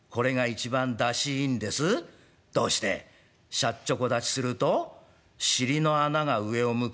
『しゃっちょこ立ちすると尻の穴が上を向く』？」。